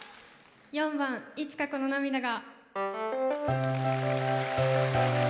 ４番「いつかこの涙が」。